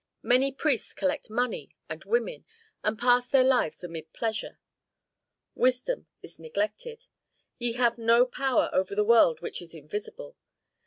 Many priests collect money and women, and pass their lives amid pleasure. Wisdom is neglected. Ye have no power over the world which is invisible.